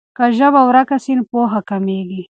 که ژبه ورکه سي پوهه کمېږي.